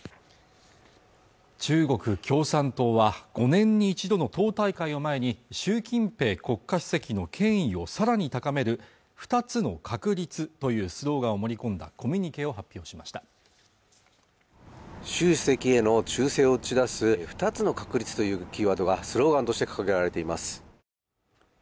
中国共産党は５年に１度の党大会を前に習近平国家主席の権威をさらに高める２つの確率というスローガンを盛り込んだコミュニケを発表しました習主席への忠誠を散らす二つの確立というキーワードがスローガンとして掲げられています